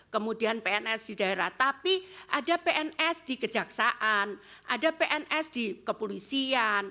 kemudian pns di daerah tapi ada pns di kejaksaan ada pns di kepolisian